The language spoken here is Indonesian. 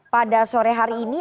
pada sore hari ini